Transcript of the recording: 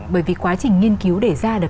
bởi vì quá trình nghiên cứu để ra được